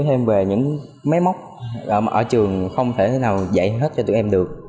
hãy thêm về những mấy mốc ở trường không thể thế nào dạy hết cho tụi em được